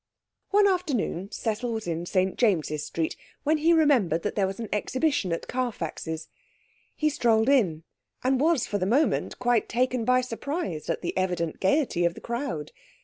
One afternoon Cecil was in St James's Street when he remembered that there was an exhibition at Carfax's. He strolled in, and was for the moment quite taken by surprise at the evident gaiety of the crowd.